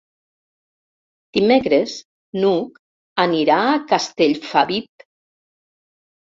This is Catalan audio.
Dimecres n'Hug anirà a Castellfabib.